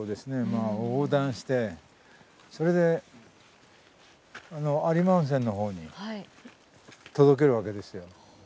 まあ横断してそれで有馬温泉の方に届けるわけですよ。